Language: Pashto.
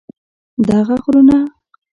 دغه غرونه